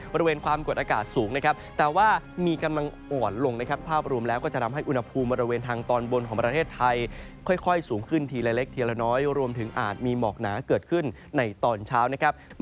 บริเวณความเกิดอากาศสูงนะครับแต่ว่ามีกำลังอ่อนลงนะครับ